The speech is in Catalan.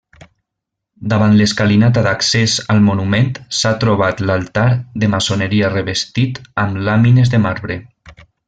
Davant l'escalinata d'accés al monument s'ha trobat l'altar de maçoneria revestit amb làmines de marbre.